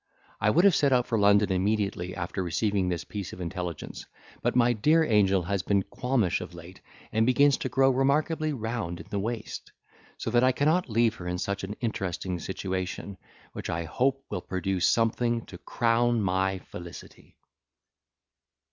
I would have set out for London immediately after receiving this piece of intelligence, but my dear angel has been qualmish of late, and begins to grow remarkably round in the waist; so that I cannot leave her in such an interesting situation, which I hope will produce something to crown my felicity.